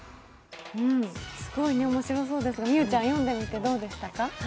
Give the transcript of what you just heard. すごい面白そうですが、美羽ちゃん読んでみてどうでしたか？